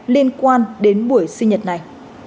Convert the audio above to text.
liên quan đến buổi sinh nhật này